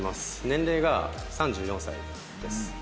年齢が３４歳です。